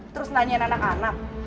terus nanya anak anak